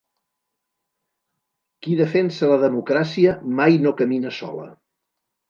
Qui defensa la democràcia mai no camina sola!